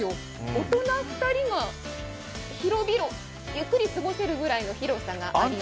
大人２人が広々ゆっくり過ごせるぐらいの広さがあります。